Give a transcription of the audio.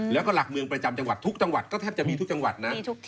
แล้วก็หลักเมืองประจำจังหวัดทุกจังหวัดก็แทบจะมีทุกจังหวัดนะ